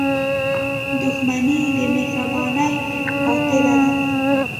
• دښمني د مهربانۍ قاتله ده.